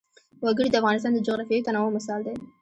وګړي د افغانستان د جغرافیوي تنوع مثال دی.